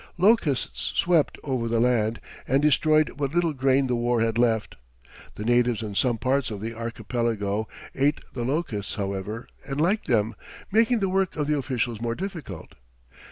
Locusts swept over the land and destroyed what little grain the war had left. The natives in some parts of the archipelago ate the locusts, however, and liked them, making the work of the officials more difficult.